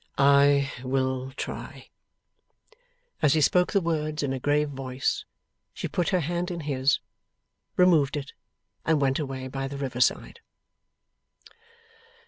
'I will try.' As he spoke the words in a grave voice, she put her hand in his, removed it, and went away by the river side.